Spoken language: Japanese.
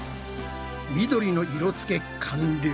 緑の色つけ完了！